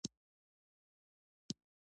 زه نن ښوونځي ته ځم.